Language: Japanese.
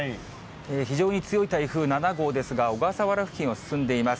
非常に強い台風７号ですが、小笠原付近を進んでいます。